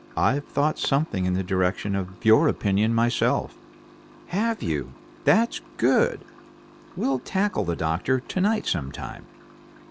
I've thought something in the direction of your opinion myself." "Have you? That's good! We'll tackle the doctor together sometime.